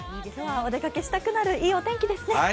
お出かけしたくなるいいお天気ですね。